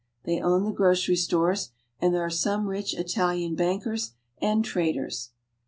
They own the grocery stores, and there are some rich Italian bankers and traders.